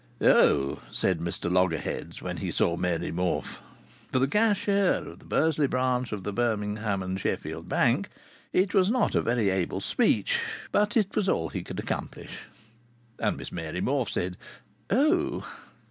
"Oh!" said Mr Loggerheads, when he saw Mary Morfe. For the cashier of the Bursley branch of the Birmingham and Sheffield Bank it was not a very able speech, but it was all he could accomplish. And Miss Mary Morfe said: "Oh!"